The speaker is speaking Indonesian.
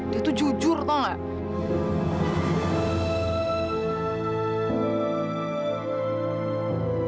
dia itu jujur tau gak